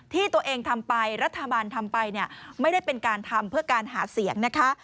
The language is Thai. ที่ตัวเองทำไปรัฐบาลทำไปเนี่ยไม่ได้เป็นการทำเพื่อการหาเสียงนะคะ